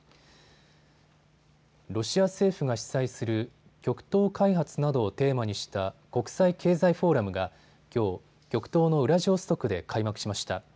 ロシア政府が主催する極東開発などをテーマにした国際経済フォーラムがきょう、極東のウラジオストクで開幕しました。